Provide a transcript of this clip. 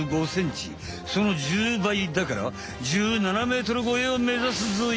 その１０倍だから１７ｍ超えをめざすぞい。